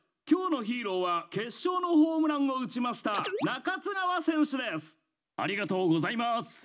今日のヒーローは決勝のホームランを打ちました中津川選手です！